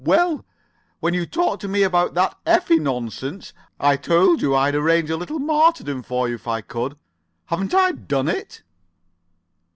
Well, when you talked to me about that Effie nonsense, I told you I'd arrange a little martyrdom for you if I could. Haven't I done it?"